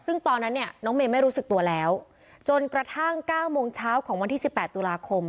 ซึ่งตอนนั้นเนี่ยน้องเมย์ไม่รู้สึกตัวแล้วจนกระทั่ง๙โมงเช้าของวันที่๑๘ตุลาคม